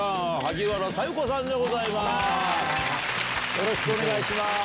よろしくお願いします。